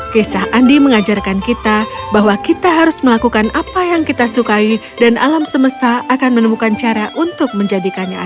kisah andi mengajarkan kita bahwa kita harus melakukan apa yang kita sukai dan alam semesta akan menemukan cara untuk menjadikannya